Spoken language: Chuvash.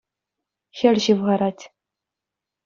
Хӗл ҫывхарать.